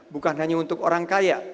bukan hanya untuk orang kaya